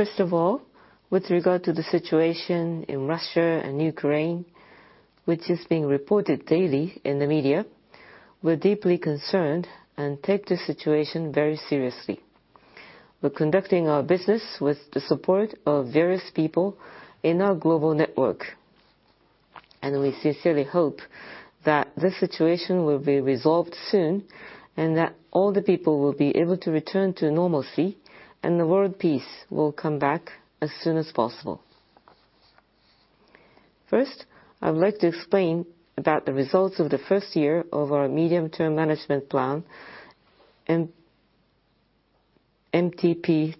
First of all, with regard to the situation in Russia and Ukraine, which is being reported daily in the media, we're deeply concerned and take the situation very seriously. We're conducting our business with the support of various people in our global network, and we sincerely hope that this situation will be resolved soon, and that all the people will be able to return to normalcy, and the world peace will come back as soon as possible. First, I would like to explain about the results of the first year of our medium-term management plan, MTP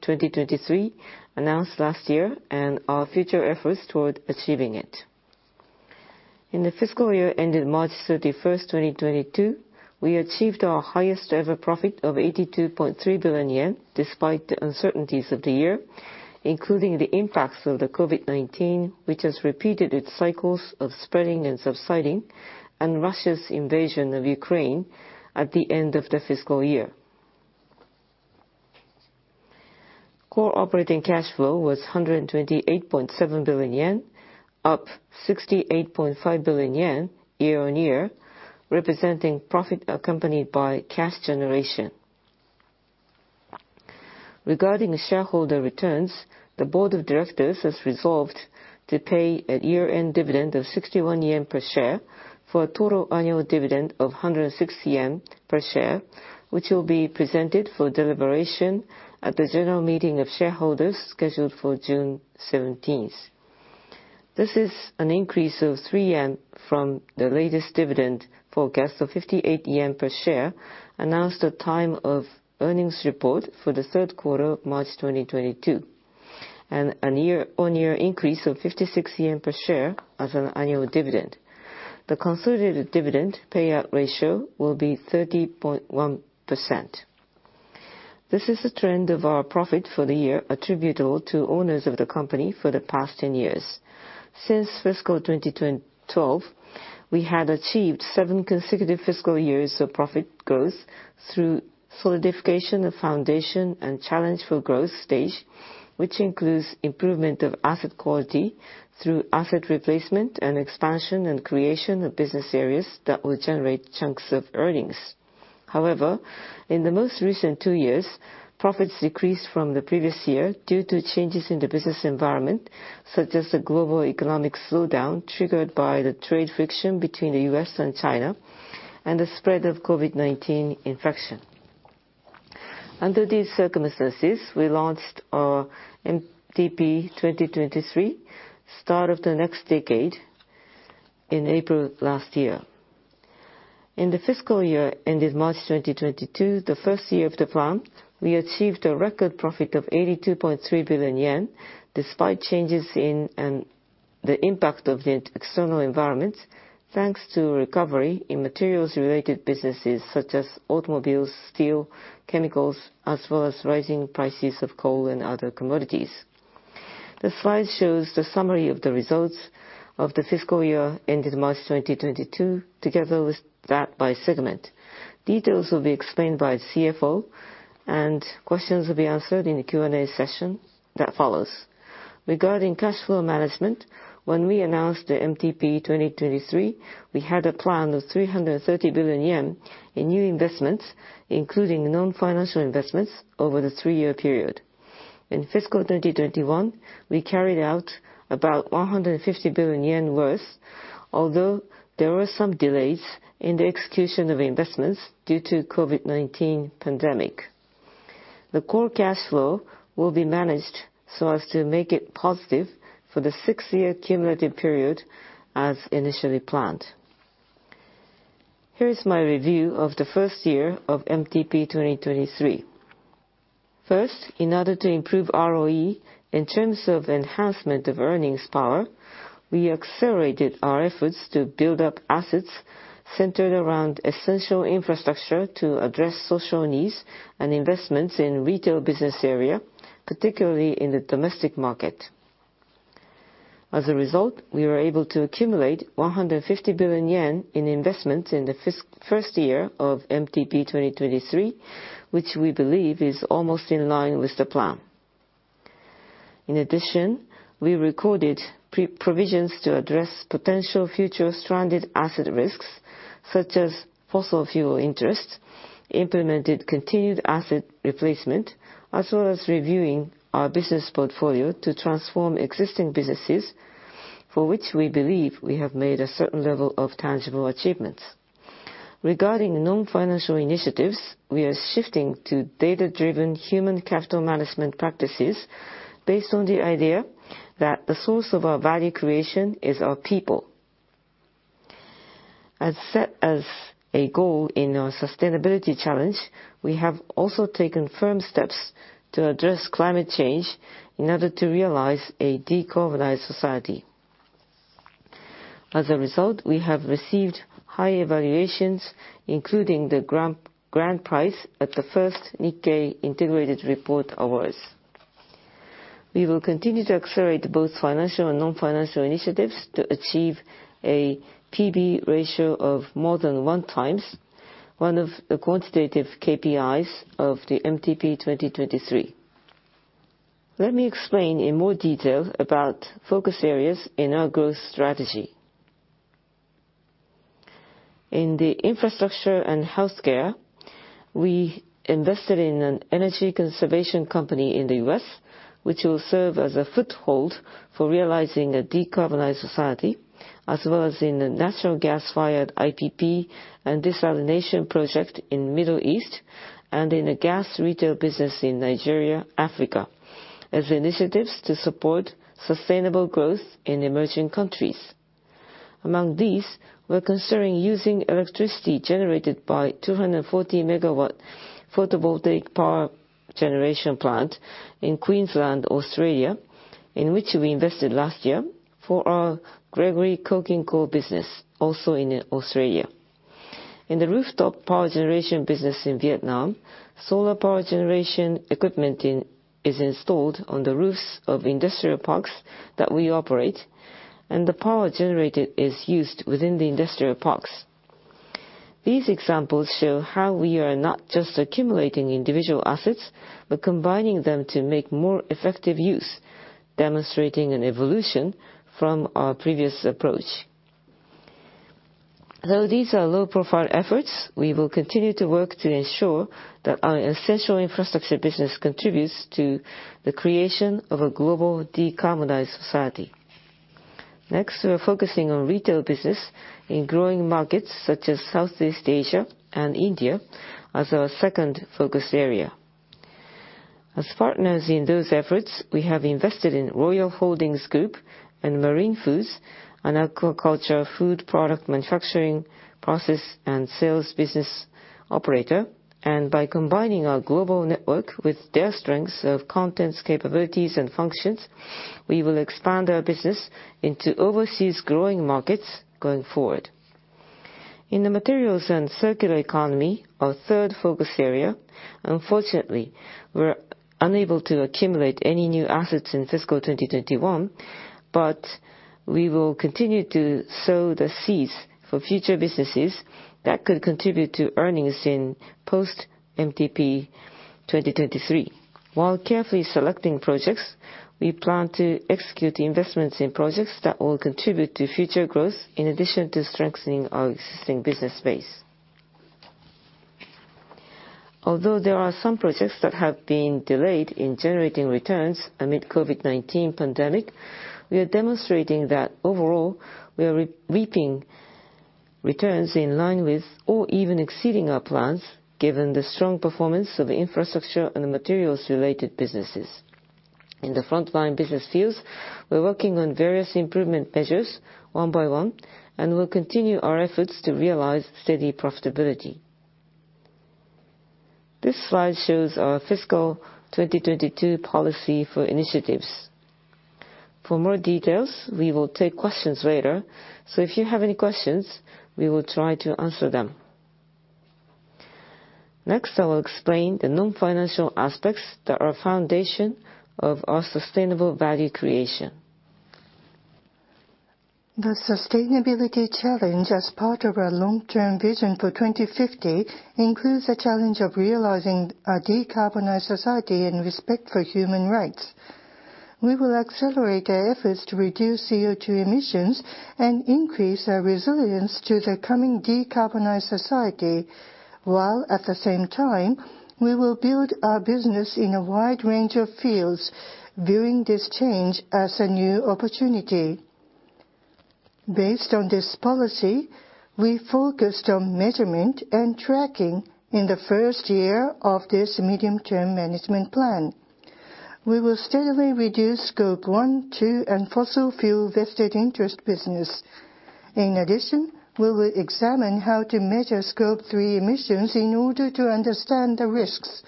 2023, announced last year, and our future efforts toward achieving it. In the fiscal year ending 31 March, 2022, we achieved our highest-ever profit of 82.3 billion yen, despite the uncertainties of the year, including the impacts of the COVID-19, which has repeated its cycles of spreading and subsiding, and Russia's invasion of Ukraine at the end of the fiscal year. Core operating cash flow was 128.7 billion yen, up 68.5 billion yen year-on-year, representing profit accompanied by cash generation. Regarding shareholder returns, the board of directors has resolved to pay a year-end dividend of 61 yen per share for a total annual dividend of 106 yen per share, which will be presented for deliberation at the general meeting of shareholders scheduled for 17 June. This is an increase of 3 yen from the latest dividend forecast of 58 yen per share, announced at the time of earnings report for the third quarter of March 2022, and a year-on-year increase of 56 yen per share as an annual dividend. The consolidated dividend payout ratio will be 30.1%. This is the trend of our profit for the year attributable to owners of the company for the past 10 years. Since fiscal 2012, we had achieved seven consecutive fiscal years of profit growth through solidification of foundation and challenge for growth stage, which includes improvement of asset quality through asset replacement and expansion and creation of business areas that will generate chunks of earnings. However, in the most recent two years, profits decreased from the previous year due to changes in the business environment, such as the global economic slowdown triggered by the trade friction between the US and China and the spread of COVID-19 infection. Under these circumstances, we launched our MTP 2023, start of the next decade, in April of last year. In the fiscal year ending March 2022, the first year of the plan, we achieved a record profit of 82.3 billion yen, despite changes in and the impact of the external environment, thanks to recovery in materials-related businesses such as automobiles, steel, chemicals, as well as rising prices of coal and other commodities. The slide shows the summary of the results of the fiscal year ending March 2022, together with that by segment. Details will be explained by CFO, and questions will be answered in the Q&A session that follows. Regarding cash flow management, when we announced the MTP 2023, we had a plan of 330 billion yen in new investments, including non-financial investments, over the three-year period. In fiscal 2021, we carried out about 150 billion yen worth, although there were some delays in the execution of investments due to COVID-19 pandemic. The core cash flow will be managed so as to make it positive for the six-year cumulative period as initially planned. Here is my review of the first year of MTP 2023. First, in order to improve ROE in terms of enhancement of earnings power, we accelerated our efforts to build up assets centered around essential infrastructure to address social needs and investments in retail business area, particularly in the domestic market. As a result, we were able to accumulate 150 billion yen in investments in the first year of MTP 2023, which we believe is almost in line with the plan. In addition, we recorded provisions to address potential future stranded asset risks, such as fossil fuel investments, implemented continued asset replacement, as well as reviewing our business portfolio to transform existing businesses, for which we believe we have made a certain level of tangible achievements. Regarding non-financial initiatives, we are shifting to data-driven human capital management practices based on the idea that the source of our value creation is our people. As set as a goal in our Sustainability Challenge, we have also taken firm steps to address climate change in order to realize a decarbonized society. As a result, we have received high evaluations, including the grand prize at the 1st NIKKEI Integrated Report Awards. We will continue to accelerate both financial and non-financial initiatives to achieve a PBR of more than 1x, one of the quantitative KPIs of the MTP 2023. Let me explain in more detail about focus areas in our growth strategy. In the Infrastructure and Healthcare, we invested in an energy conservation company in the U.S., which will serve as a foothold for realizing a decarbonized society, as well as in a natural gas-fired IPP and desalination project in Middle East, and in a gas retail business in Nigeria, Africa, as initiatives to support sustainable growth in emerging countries. Among these, we're considering using electricity generated by 240-megawatt photovoltaic power generation plant in Queensland, Australia, in which we invested last year, for our Gregory coking coal business, also in Australia. In the rooftop power generation business in Vietnam, solar power generation equipment is installed on the roofs of industrial parks that we operate, and the power generated is used within the industrial parks. These examples show how we are not just accumulating individual assets, but combining them to make more effective use, demonstrating an evolution from our previous approach. Though these are low-profile efforts, we will continue to work to ensure that our essential infrastructure business contributes to the creation of a global decarbonized society. Next, we are focusing on retail business in growing markets such as Southeast Asia and India as our second focus area. As partners in those efforts, we have invested in Royal Holdings Co., Ltd. and The Marine Foods Corporation, an aquaculture food product manufacturing process and sales business operator. By combining our global network with their strengths of contents, capabilities, and functions, we will expand our business into overseas growing markets going forward. In the materials and circular economy, our third focus area, unfortunately, we're unable to accumulate any new assets in fiscal 2021, but we will continue to sow the seeds for future businesses that could contribute to earnings in post-MTP 2023. While carefully selecting projects, we plan to execute investments in projects that will contribute to future growth in addition to strengthening our existing business base. Although there are some projects that have been delayed in generating returns amid COVID-19 pandemic, we are demonstrating that overall, we are reaping returns in line with or even exceeding our plans, given the strong performance of infrastructure and materials-related businesses. In the front-line business fields, we're working on various improvement measures one by one, and we'll continue our efforts to realize steady profitability. This slide shows our fiscal 2022 policy for initiatives. For more details, we will take questions later, so if you have any questions, we will try to answer them. Next, I will explain the non-financial aspects that are a foundation of our sustainable value creation. The Sustainability Challenge as part of our long-term vision for 2050 includes the challenge of realizing a decarbonized society and respect for human rights. We will accelerate our efforts to reduce CO2 emissions and increase our resilience to the coming decarbonized society, while at the same time, we will build our business in a wide range of fields, viewing this change as a new opportunity. Based on this policy, we focused on measurement and tracking in the first year of this Medium-term Management Plan. We will steadily reduce Scope one, two, and fossil fuel-based businesses. In addition, we will examine how to measure Scope three emissions in order to understand the risks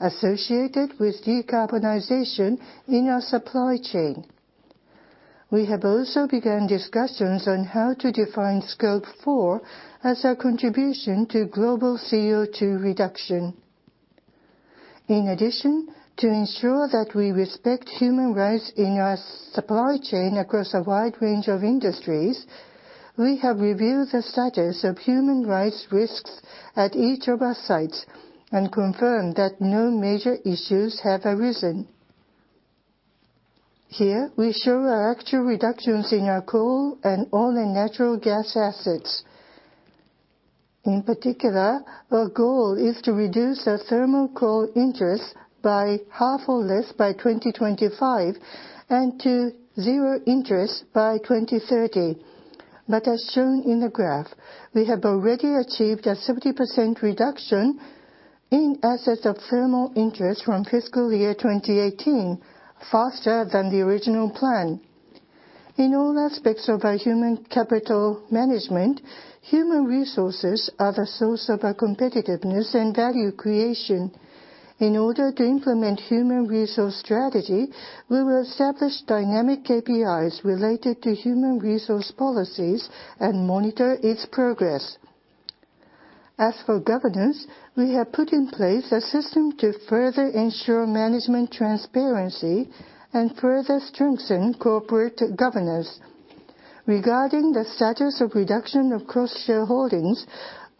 associated with decarbonization in our supply chain. We have also begun discussions on how to define Scope four as our contribution to global CO2 reduction. In addition, to ensure that we respect human rights in our supply chain across a wide range of industries, we have reviewed the status of human rights risks at each of our sites and confirmed that no major issues have arisen. Here, we show our actual reductions in our coal and oil and natural gas assets. In particular, our goal is to reduce our thermal coal interest by half or less by 2025, and to zero interest by 2030. As shown in the graph, we have already achieved a 70% reduction in assets of thermal interest from fiscal year 2018, faster than the original plan. In all aspects of our human capital management, human resources are the source of our competitiveness and value creation. In order to implement human resource strategy, we will establish dynamic KPIs related to human resource policies and monitor its progress. As for governance, we have put in place a system to further ensure management transparency and further strengthen corporate governance. Regarding the status of reduction of cross-shareholdings,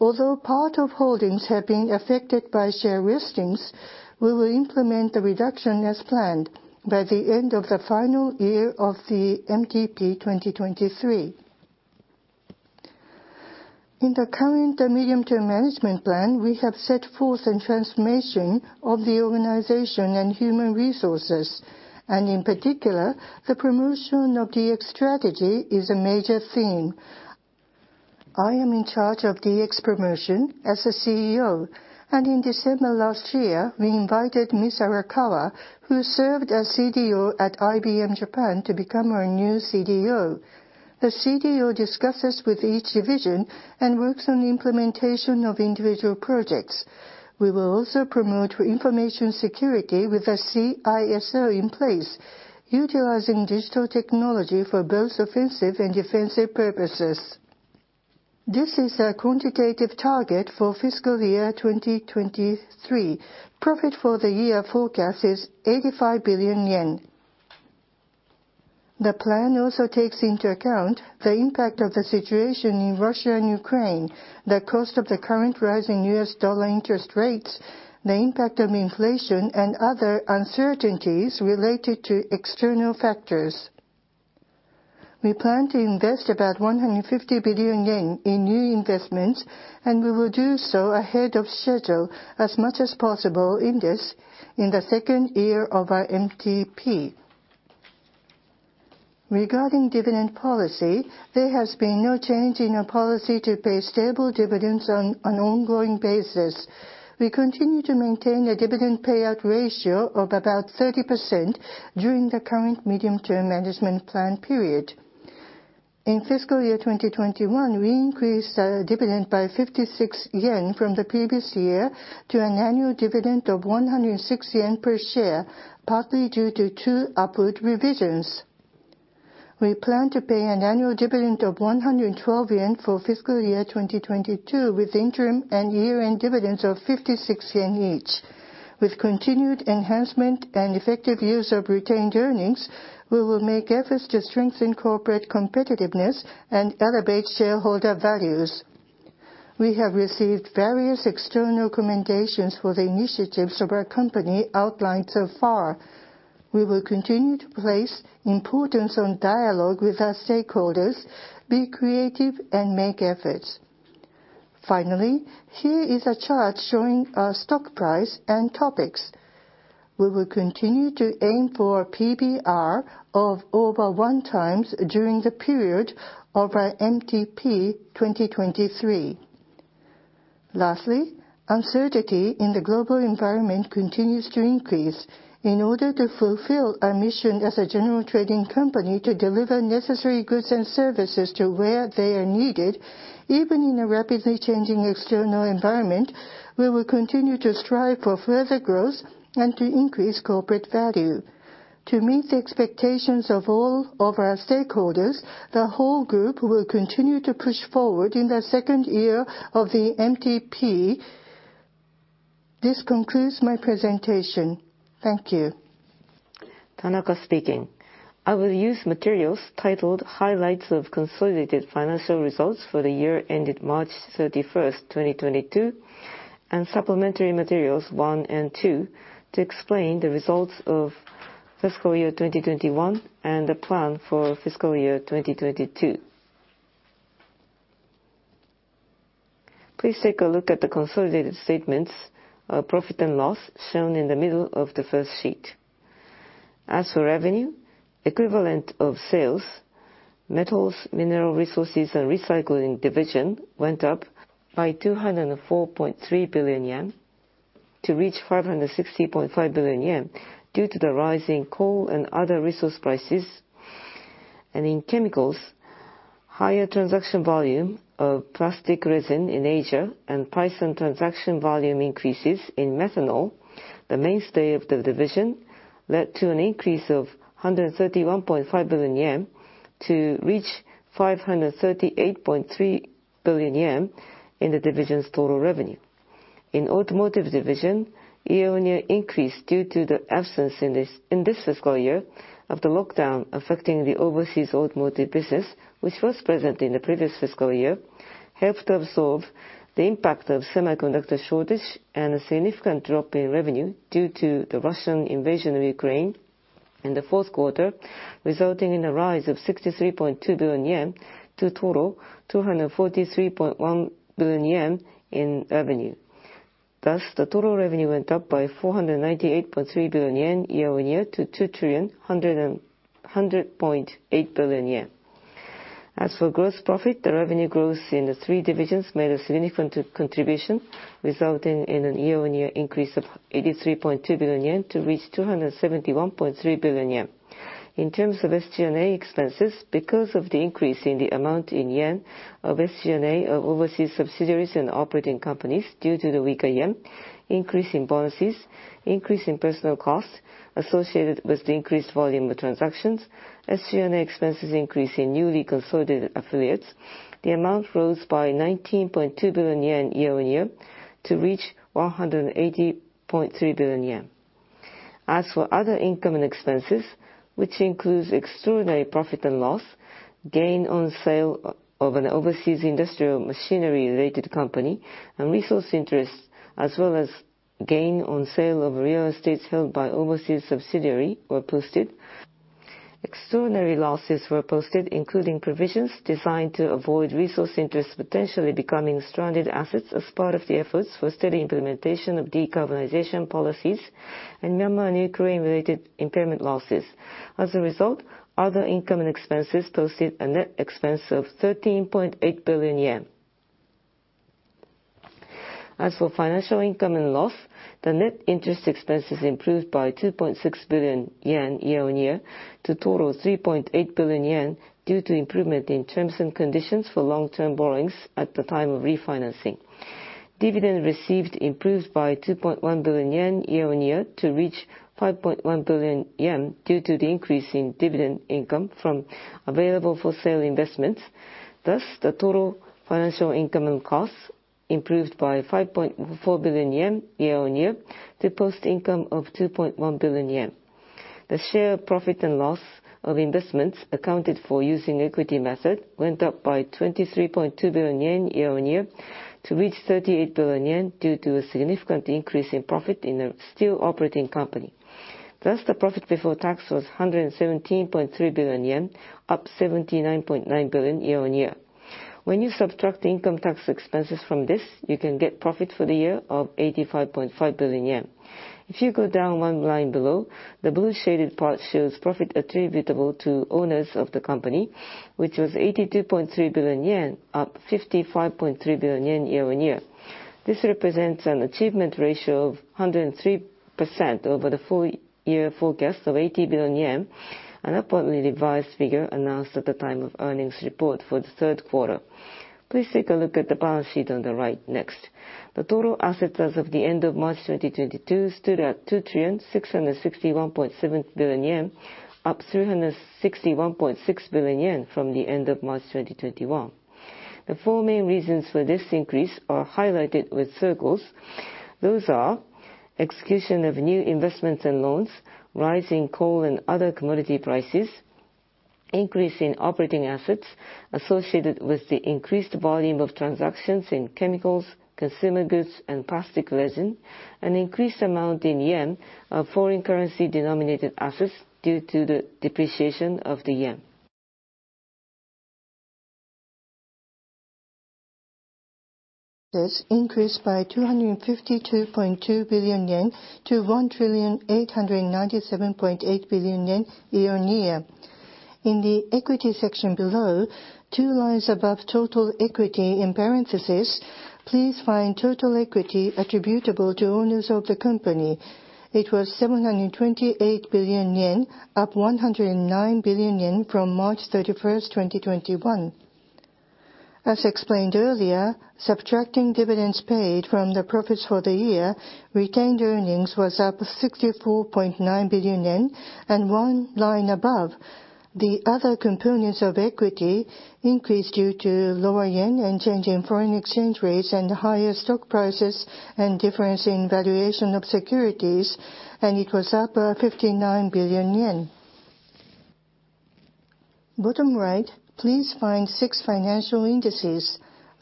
although part of holdings have been affected by share listings, we will implement the reduction as planned by the end of the final year of the MTP 2023. In the current, medium-term management plan, we have set forth a transformation of the organization and human resources. In particular, the promotion of DX strategy is a major theme. I am in charge of DX promotion as a CEO, and in December last year, we invited Ms. Arakawa, who served as CDO at IBM Japan to become our new CDO. The CDO discusses with each division and works on the implementation of individual projects. We will also promote information security with a CISO in place, utilizing digital technology for both offensive and defensive purposes. This is a quantitative target for fiscal year 2023. Profit for the year forecast is 85 billion yen. The plan also takes into account the impact of the situation in Russia and Ukraine, the cost of the current rising US dollar interest rates, the impact of inflation, and other uncertainties related to external factors. We plan to invest about 150 billion yen in new investments, and we will do so ahead of schedule as much as possible in this, in the second year of our MTP. Regarding dividend policy, there has been no change in our policy to pay stable dividends on an ongoing basis. We continue to maintain a dividend payout ratio of about 30% during the current medium-term management plan period. In fiscal year 2021, we increased our dividend by 56 yen from the previous year to an annual dividend of 106 yen per share, partly due to two upward revisions. We plan to pay an annual dividend of 112 yen for fiscal year 2022, with interim and year-end dividends of 56 yen each. With continued enhancement and effective use of retained earnings, we will make efforts to strengthen corporate competitiveness and elevate shareholder values. We have received various external commendations for the initiatives of our company outlined so far. We will continue to place importance on dialogue with our stakeholders, be creative, and make efforts. Finally, here is a chart showing our stock price and topics. We will continue to aim for a PBR of over 1x during the period of our MTP 2023. Lastly, uncertainty in the global environment continues to increase. In order to fulfill our mission as a general trading company to deliver necessary goods and services to where they are needed, even in a rapidly changing external environment, we will continue to strive for further growth and to increase corporate value. To meet the expectations of all of our stakeholders, the whole group will continue to push forward in the second year of the MTP. This concludes my presentation. Thank you. Tanaka speaking. I will use materials titled Highlights of Consolidated Financial Results for the Year Ended 31 March, 2022, and supplementary materials one and two to explain the results of fiscal year 2021 and the plan for fiscal year 2022. Please take a look at the consolidated statements of profit and loss shown in the middle of the first sheet. As for revenue, equivalent of sales, Metals, Mineral Resources & Recycling Division went up by 204.3 billion yen to reach 560.5 billion yen due to the rise in coal and other resource prices. In chemicals, higher transaction volume of plastic resin in Asia and price and transaction volume increases in methanol, the mainstay of the division, led to an increase of 131.5 billion yen to reach 538.3 billion yen in the division's total revenue. In Automotive Division, year-on-year increase due to the absence in this fiscal year of the lockdown affecting the overseas automotive business, which was present in the previous fiscal year, helped to absorb the impact of semiconductor shortage and a significant drop in revenue due to the Russian invasion of Ukraine in the fourth quarter, resulting in a rise of 63.2 billion yen to total 243.1 billion yen in revenue. Thus, the total revenue went up by 498.3 billion yen year-on-year to 2,100.8 billion yen. As for gross profit, the revenue growth in the three divisions made a significant contribution, resulting in a year-on-year increase of 83.2 billion yen to reach 271.3 billion yen. In terms of SG&A expenses, because of the increase in the amount in yen of SG&A of overseas subsidiaries and operating companies due to the weaker yen, increase in bonuses, increase in personal costs associated with the increased volume of transactions, SG&A expenses increase in newly consolidated affiliates, the amount rose by 19.2 billion yen year-on-year to reach 180.3 billion yen. As for other income and expenses, which includes extraordinary profit and loss, gain on sale of an overseas industrial machinery-related company, and resource interest, as well as gain on sale of real estates held by overseas subsidiary were posted. Extraordinary losses were posted, including provisions designed to avoid resource interests potentially becoming stranded assets as part of the efforts for steady implementation of decarbonization policies, and Myanmar and Ukraine-related impairment losses. As a result, other income and expenses posted a net expense of 13.8 billion yen. As for financial income and loss, the net interest expenses improved by 2.6 billion yen year-on-year to total 3.8 billion yen due to improvement in terms and conditions for long-term borrowings at the time of refinancing. Dividend received improved by 2.1 billion yen year-on-year to reach 5.1 billion yen due to the increase in dividend income from available-for-sale investments. Thus, the total financial income and costs improved by 5.4 billion yen year-on-year to post income of 2.1 billion yen. The share of profit and loss of investments accounted for using the equity method went up by 23.2 billion yen year-on-year to reach 38 billion yen due to a significant increase in profit in a steel operating company. Thus, the profit before tax was 117.3 billion yen, up 79.9 billion year-on-year. When you subtract income tax expenses from this, you can get profit for the year of 85.5 billion yen. If you go down one line below, the blue shaded part shows profit attributable to owners of the company, which was 82.3 billion yen, up 55.3 billion yen year-on-year. This represents an achievement ratio of 103% over the full year forecast of 80 billion yen, an upwardly revised figure announced at the time of earnings report for the third quarter. Please take a look at the balance sheet on the right next. The total assets as of the end of March 2022 stood at 2,661.7 billion yen, up 361.6 billion yen from the end of March 2021. The four main reasons for this increase are highlighted with circles. Those are execution of new investments and loans, rising coal and other commodity prices, increase in operating assets associated with the increased volume of transactions in chemicals, consumer goods, and plastic resin, an increased amount in yen of foreign currency denominated assets due to the depreciation of the yen. This increased by 252.2 billion yen to 1,897.8 billion yen year-on-year. In the equity section below, two lines above total equity in parentheses, please find total equity attributable to owners of the company. It was 728 billion yen, up 109 billion yen from 31 March, 2021. As explained earlier, subtracting dividends paid from the profits for the year, retained earnings was up 64.9 billion yen. One line above, the other components of equity increased due to lower yen and change in foreign exchange rates, and higher stock prices, and difference in valuation of securities, and it was up 59 billion yen. Bottom right, please find six financial indices.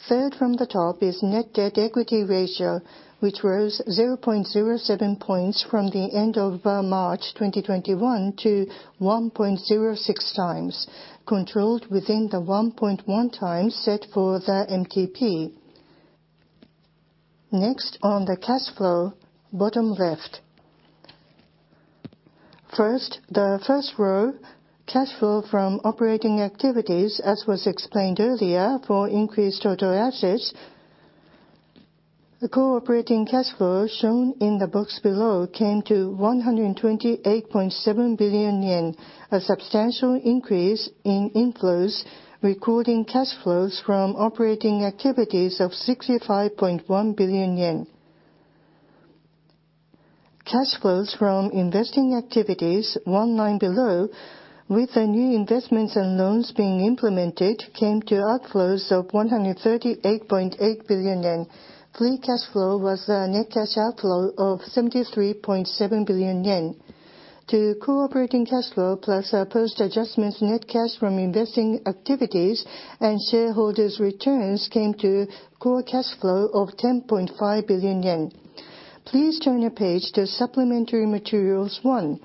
Third from the top is net debt equity ratio, which rose 0.07 points from the end of March 2021 to 1.06 times, controlled within the 1.1 times set for the MTP. Next, on the cash flow, bottom left. First, the first row, cash flow from operating activities, as was explained earlier, from increased total assets. The core operating cash flow shown in the box below came to 128.7 billion yen, a substantial increase in inflows recording cash flows from operating activities of 65.1 billion yen. Cash flows from investing activities, one line below, with the new investments and loans being implemented, came to outflows of 138.8 billion yen. Free cash flow was a net cash outflow of 73.7 billion yen. The core operating cash flow plus our post-adjustments net cash from investing activities and shareholders' returns came to core cash flow of 10.5 billion yen. Please turn the page to supplementary materials 1.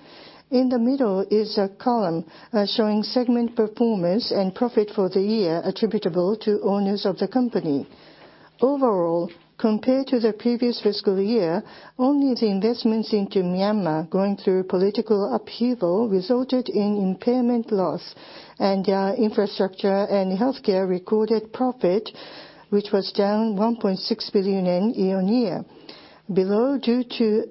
In the middle is a column showing segment performance and profit for the year attributable to owners of the company. Overall, compared to the previous fiscal year, only the investments into Myanmar going through political upheaval resulted in impairment loss. Infrastructure and Healthcare recorded profit, which was down 1.6 billion yen year-on-year. Below, due to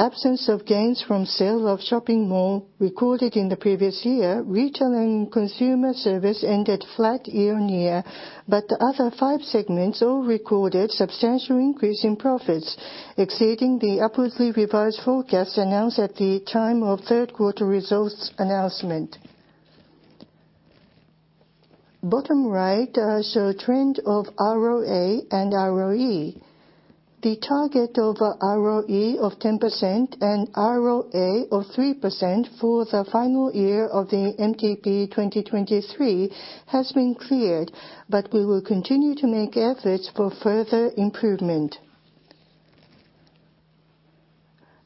absence of gains from sale of shopping mall recorded in the previous year, Retail and Consumer Service ended flat year-on-year. The other five segments all recorded substantial increase in profits, exceeding the upwardly revised forecast announced at the time of third quarter results announcement. Bottom right shows trend of ROA and ROE. The target of ROE of 10% and ROA of 3% for the final year of the MTP 2023 has been cleared, but we will continue to make efforts for further improvement.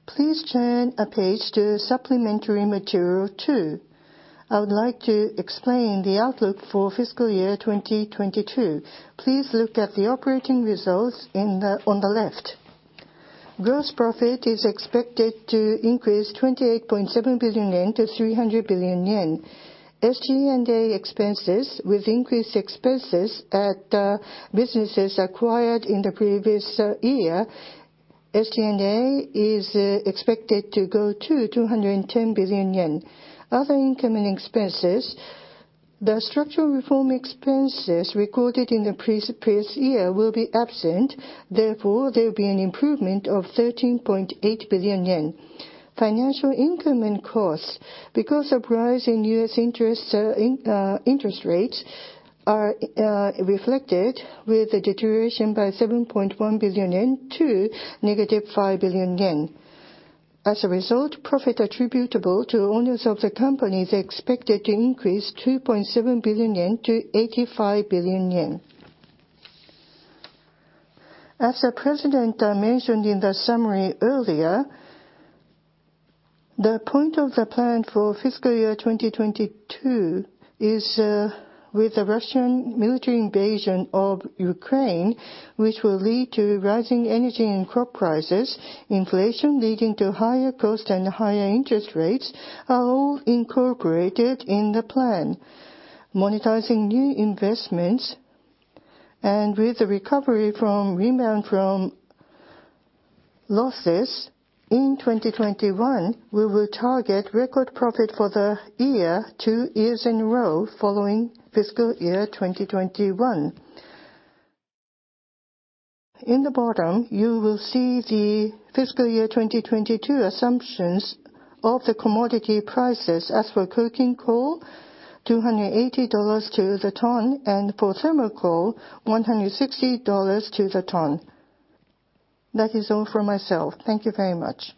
Please turn a page to supplementary material two. I would like to explain the outlook for fiscal year 2022. Please look at the operating results on the left. Gross profit is expected to increase 28.7 billion yen to 300 billion yen. SG&A expenses with increased expenses at businesses acquired in the previous year. SG&A is expected to go to 210 billion yen. Other income and expenses, the structural reform expenses recorded in the pre-previous year will be absent, therefore, there'll be an improvement of 13.8 billion yen. Financial income and costs, because of rise in U.S. interest rates are reflected with a deterioration by 7.1 billion yen to negative 5 billion yen. As a result, profit attributable to owners of the company is expected to increase 2.7 billion yen to 85 billion yen. As the president mentioned in the summary earlier, the point of the plan for fiscal year 2022 is with the Russian military invasion of Ukraine, which will lead to rising energy and crop prices, inflation leading to higher cost and higher interest rates are all incorporated in the plan. Monetizing new investments and with the recovery from rebound from losses in 2021, we will target record profit for the year two years in a row following fiscal year 2021. At the bottom, you will see the fiscal year 2022 assumptions of the commodity prices. As for coking coal, $280 to the ton. For thermal coal, $160 to the ton. That is all for myself. Thank you very much.